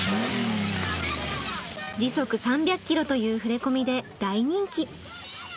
時速３００ｋｍという触れ込みで大人気。